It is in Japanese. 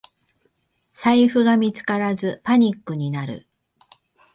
財布が見つからずパニックになる